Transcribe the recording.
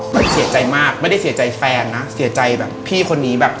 มันเสียใจมากไม่ได้เสียใจแฟนนะเสียใจแบบพี่คนนี้แบบ